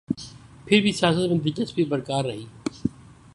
پھر بھی سیاست میں دلچسپی برقرار رہی۔